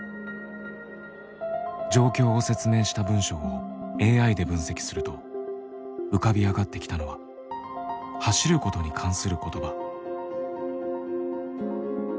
状況を説明した文章をＡＩで分析すると浮かび上がってきたのは「走ること」に関する言葉。